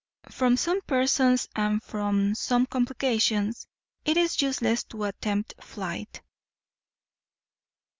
From some persons and from some complications it is useless to attempt flight."